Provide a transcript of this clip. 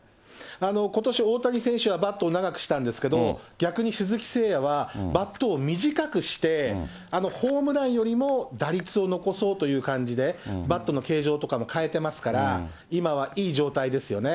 ことし、大谷選手はバットを長くしたんですけれども、逆に鈴木誠也はバットを短くして、ホームランよりも打率を残そうという感じで、バットの形状とかも変えてますから、今はいい状態ですよね。